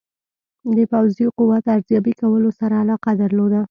د پوځي قوت ارزیابي کولو سره علاقه درلوده.